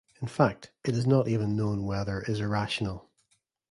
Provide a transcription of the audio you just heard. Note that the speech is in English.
In fact, it is not even known whether is irrational.